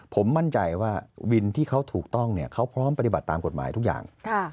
ผมมั่นใจว่าวินที่เขาถูกต้องเขาพร้อมปฏิบัติตามกฎหมายทุกอย่าง